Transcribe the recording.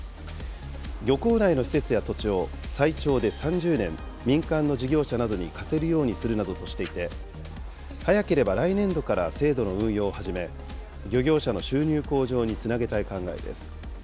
漁港内の施設や土地を最長で３０年、民間の事業者などに貸せるようにするなどとしていて、早ければ来年度から制度の運用を始め、漁業者の収入向上につなげたい考えです。